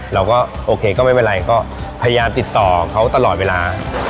เราก็โอเคก็ไม่เป็นไรก็พยายามติดต่อเขาตลอดเวลา